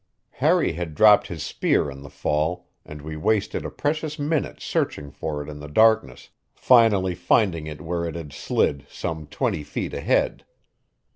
Harry had dropped his spear in the fall, and we wasted a precious minute searching for it in the darkness, finally finding it where it had slid, some twenty feet ahead.